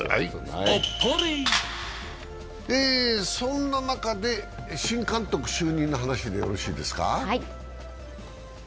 そんな中で新監督就任の話でよろしいですか？